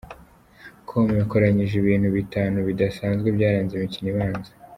com yakoranyije ibintu bitanu bidasanzwe byaranze imikino ibanza.